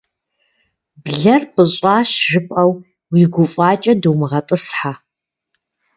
Блэр пӏыщӏащ жыпӏэу уи гуфӏакӏэ думыгъэтӏысхьэ.